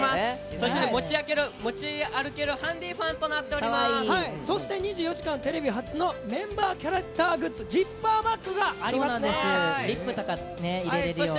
そして持ち歩けるハンディフそして２４時間テレビ初のメンバーキャラクターグッズ、ジッパーバッグがありますね。